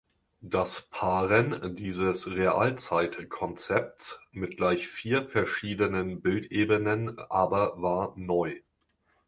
Das Paaren dieses Realzeit-Konzepts mit gleich vier verschiedenen Bildebenen aber war neu.